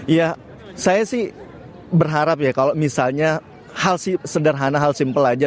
ya saya sih berharap ya kalau misalnya sederhana hal simpel aja